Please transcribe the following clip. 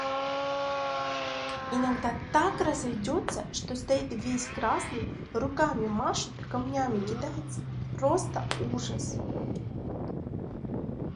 Иногда так разойдется, что стоит весь красный, руками машет, камнями кидается, просто ужас!